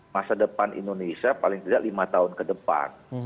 masa depan indonesia paling tidak lima tahun ke depan